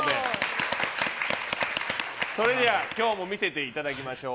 それでは今日も見せていただきましょう。